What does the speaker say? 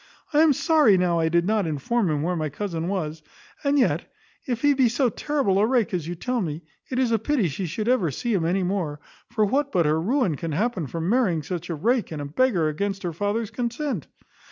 I am sorry now I did not inform him where my cousin was; and yet, if he be so terrible a rake as you tell me, it is a pity she should ever see him any more; for what but her ruin can happen from marrying a rake and a beggar against her father's consent?